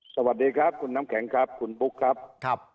สวัสดีครับคุณน้ำแข็งครับคุณบุ๊คครับ